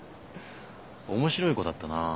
面白い子だったなぁ。